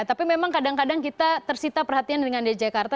tapi memang kadang kadang kita tersita perhatian dengan di jakarta